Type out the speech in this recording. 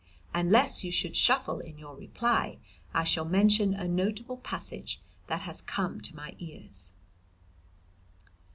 And lest you should shuffle in your reply I shall mention a notable passage that has come to my ears.